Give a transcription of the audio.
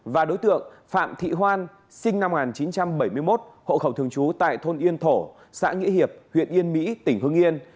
và đối tượng phạm thị hoan sinh năm một nghìn chín trăm bảy mươi một hộ khẩu thường trú tại thôn yên thổ xã nghĩa hiệp huyện yên mỹ tỉnh hương yên